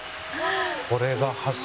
これが発祥。